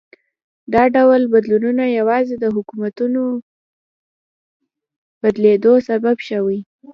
دا ډول بدلونونه یوازې د حکومتونو بدلېدو سبب شوي.